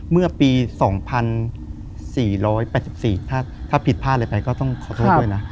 เมื่อปี๒๔๘๔ถ้าผิดพลาดอะไรไปก็ต้องขอโทษด้วยนะ